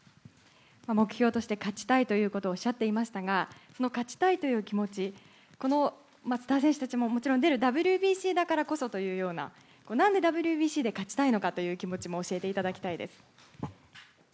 目標として勝ちたいということをおっしゃっていましたがその勝ちたいという気持ちスター選手たちも、もちろん出るＷＢＣだからこそというような何でＷＢＣで勝ちたいのかという気持ちも教えていただきたいです。